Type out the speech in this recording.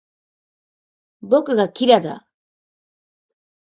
僕がキラだ